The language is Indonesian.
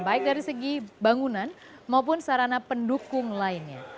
baik dari segi bangunan maupun sarana pendukung lainnya